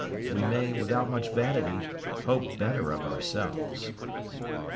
We may, without much vanity, hope better of ourselves.